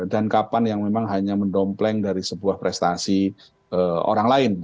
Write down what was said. dan kapan yang memang hanya mendompleng dari sebuah prestasi orang lain